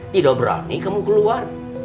tidak berani kamu keluar